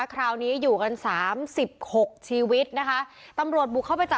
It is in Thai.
คราวนี้อยู่กันสามสิบหกชีวิตนะคะตำรวจบุกเข้าไปจับ